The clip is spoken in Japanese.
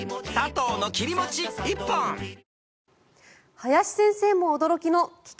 林先生も驚きの危険